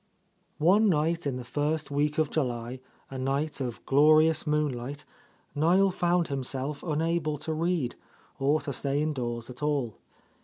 One night in the first week of July, a night of glorious moonlight, NIel found himself unable to read, or to stay indoors at all.